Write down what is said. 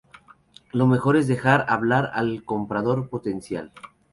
Lo mejor es dejar hablar al comprador potencial.